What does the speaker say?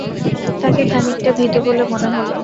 তাঁকে খানিকটা ভীত বলে মনে হল।